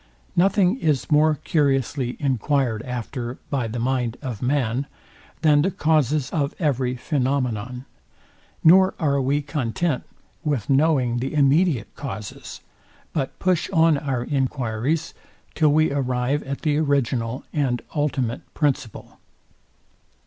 Nothing is more curiously enquired after by the mind of man, than the causes of every phenomenon; nor are we content with knowing the immediate causes, but push on our enquiries, till we arrive at the original and ultimate principle.